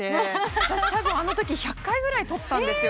私たぶんあのとき１００回ぐらいとったんですよ。